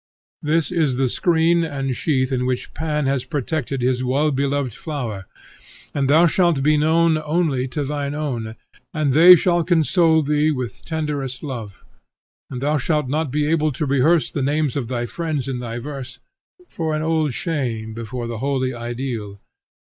This is the screen and sheath in which Pan has protected his well beloved flower, and thou shalt be known only to thine own, and they shall console thee with tenderest love. And thou shalt not be able to rehearse the names of thy friends in thy verse, for an old shame before the holy ideal.